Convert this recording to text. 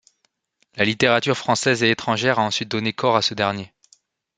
La littérature française et étrangère a ensuite donné corps à ce dernier.